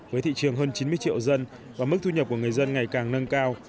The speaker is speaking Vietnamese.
với thị trường hơn chín mươi triệu dân và mức thu nhập của người dân ngày càng nâng cao